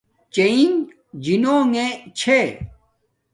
چݵئِݣ جِنݸݣݺ چھݺ.